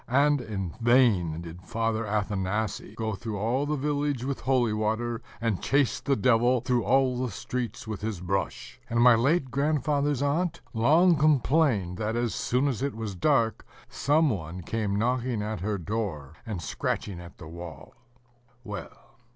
And in vain did Father Athanasii go through all the village with holy water, and chase the Devil through all the streets with his brush; and my late grandfather's aunt long complained that, as soon as it was dark, some one came knocking at her door, and scratching at the wall. Well!